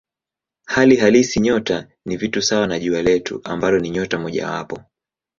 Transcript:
Hali halisi nyota ni vitu sawa na Jua letu ambalo ni nyota mojawapo.